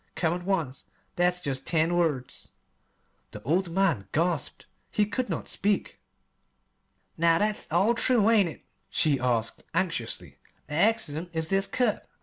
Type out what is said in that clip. Come at once.' That's jest ten words." The old man gasped. He could not speak. "Now, that's all true, ain't it?" she asked anxiously. "The 'accident' is this cut.